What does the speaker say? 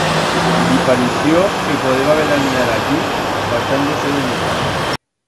Li parixió que podeba veraniar allí, fartando-se de migas.